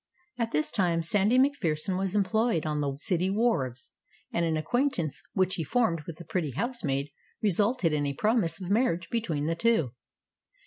At this time Sandy MacPherson was employed on the city wharves, and an acquaintance which he formed with the pretty housemaid resulted in a promise of marriage between the two.